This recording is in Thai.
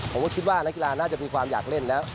ผมก็คิดว่านักกีฬาน่าจะมีความอยากเล่นแล้ว